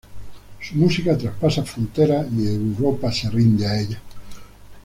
Su música traspasa fronteras y Europa se rinde a ella.